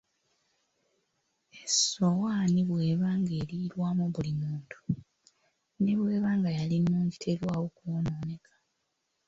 Essowaani bw'eba ng'erirwamu buli muntu, ne bweba nga yali nnungi terwawo kw'onooneka.